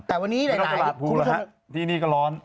ไม่ต้องตลาดภูแหล่ะ